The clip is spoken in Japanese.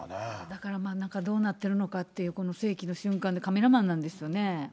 だから、中どうなっているのかっていうの、世紀の瞬間を、カメラマンなんですよね。